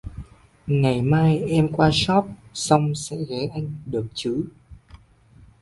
Ngày mai em qua Shop xong sẽ ghé anh được chứ